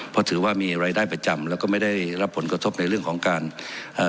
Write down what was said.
เพราะถือว่ามีรายได้ประจำแล้วก็ไม่ได้รับผลกระทบในเรื่องของการเอ่อ